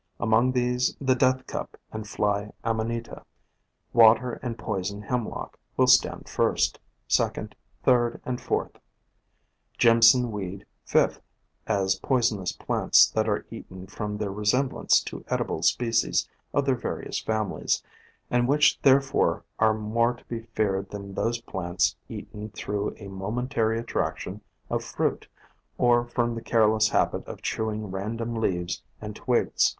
Among 172 POISONOUS PLANTS these the Death Cup and Fly Amanita, Water and Poison Hemlock will stand first, second, third and fourth, Jimson Weed fifth, as poisonous plants that are eaten from their resemblance to edible species of their various families, and which there fore are more to be feared than those plants eaten through a momentary attraction of fruit, or from the careless habit of chewing random leaves and twigs.